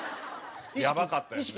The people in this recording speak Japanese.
やばかったですね。